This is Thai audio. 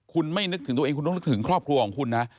คุณไม่นึกถึงตัวเองคุณต้องนึกถึงครอบครัวของคุณนะ